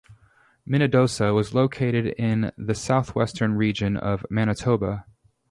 Minnedosa was located in the southwestern region of Manitoba.